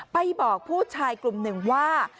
ไปบอกผู้ชายกลุ่มหนึ่งว่า